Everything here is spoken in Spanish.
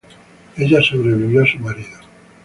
Ella sobrevivió a su marido.